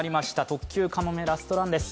特急かもめ、ラストランです。